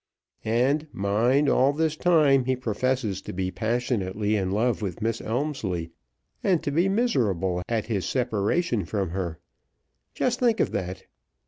And, mind, all this time he professes to be passionately in love with Miss Elmslie, and to be miserable at his separation from her. Just think of that!